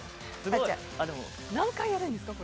何回やるんですか？